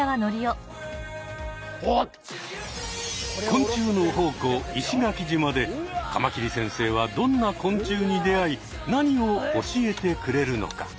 昆虫の宝庫石垣島でカマキリ先生はどんな昆虫に出会い何を教えてくれるのか？